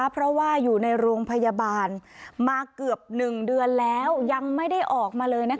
เพราะว่าอยู่ในโรงพยาบาลมาเกือบ๑เดือนแล้วยังไม่ได้ออกมาเลย